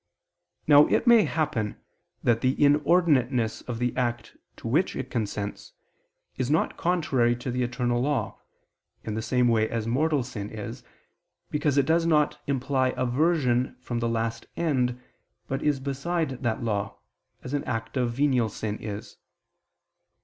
Now it may happen that the inordinateness of the act to which it consents, is not contrary to the eternal law, in the same way as mortal sin is, because it does not imply aversion from the last end, but is beside that law, as an act of venial sin is.